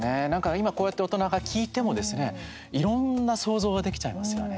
今こうやって大人が聞いてもですね、いろんな想像ができちゃいますよね。